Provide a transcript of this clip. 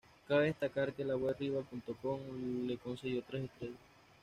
Cabe destacar que la web "Rivals.com" le concedió tres estrellas.